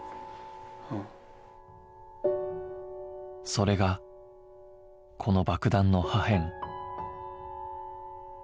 それがこの爆弾の破片